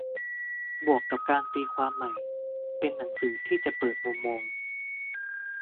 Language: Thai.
บวกกับการตีความใหม่ - เป็นหนังสือที่จะเปิดมุมมอง